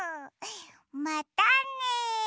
またね！